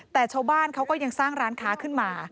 แต่ชาวบ้านเขาก็ยังสร้างร้านค้าขึ้นมา